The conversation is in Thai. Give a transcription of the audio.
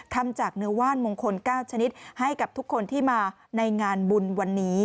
ทำจากเนื้อว่านมงคล๙ชนิดให้กับทุกคนที่มาในงานบุญวันนี้